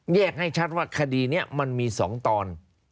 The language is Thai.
ให้ชัดว่าคดีนี้มันมี๒ตอน